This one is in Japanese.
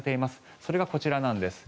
それがこちらなんです。